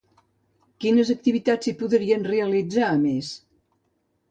Quines activitats s'hi podran realitzar a més?